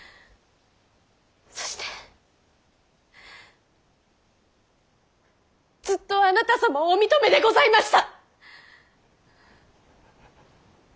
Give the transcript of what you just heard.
そしてずっとあなた様をお認めでございました！